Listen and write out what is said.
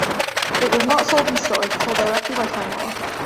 It was not sold in stores, but sold directly by Time-Life.